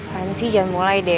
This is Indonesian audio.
lain sih jangan mulai deh